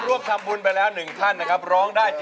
รวบคำบุญไปแล้ว๑ท่านนะครับ